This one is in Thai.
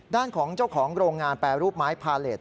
ด้านของเจ้าของโรงงานแปรรูปไม้พาเลส